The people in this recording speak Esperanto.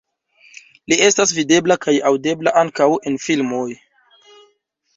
Li estas videbla kaj aŭdebla ankaŭ en filmoj.